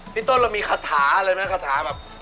พี่ต้นเรามีค้ะถาเลยมั้ยค้ะถาแบบ